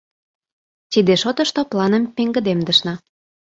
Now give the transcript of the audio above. Тиде шотышто планым пеҥгыдемдышна.